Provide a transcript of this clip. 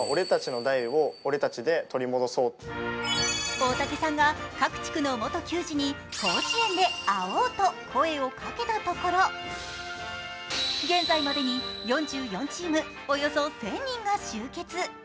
大武さんが各地区の元球児に甲子園で会おうと声をかけたところ、現在までに４４チームおよそ１０００人が集結。